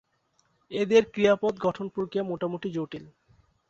এদের ক্রিয়াপদ গঠন প্রক্রিয়া মোটামুটি জটিল।